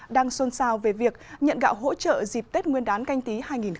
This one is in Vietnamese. đang xôn xao về việc nhận gạo hỗ trợ dịp tết nguyên đán canh tí hai nghìn hai mươi